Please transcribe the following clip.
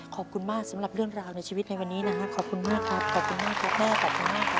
ขอบคุณมากสำหรับเรื่องราวในชีวิตในวันนี้นะฮะขอบคุณมากครับขอบคุณมากครับแม่ขอบคุณมากครับ